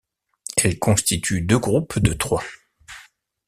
Elles constituent deux groupes de trois.